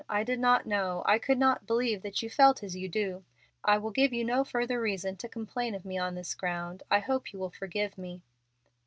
I did not know I could not believe that you felt as you do. I will give you no further reason to complain of me on this ground. I hope you will forgive me."